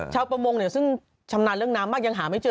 ชาวประมงซึ่งชำนาญเรื่องน้ำมากยังหาไม่เจอ